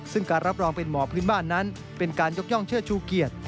ซึ่งการรับรองเป็นหมอพื้นบ้านนั้นเป็นการยกย่องเชื่อชูเกียรติ